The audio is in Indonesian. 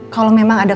kalau memang ada